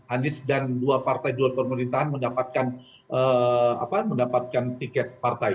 andis dan dua partai dua pemerintahan mendapatkan tiket partai